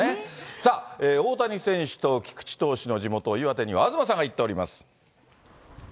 さあ、大谷選手と菊池投手の地元、岩手には、東さんが行っております。